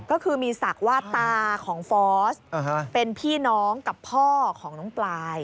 ก็คือมีศักดิ์ว่าตาของฟอสเป็นพี่น้องกับพ่อของน้องปลาย